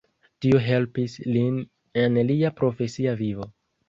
Tio helpis lin en lia profesia vivo.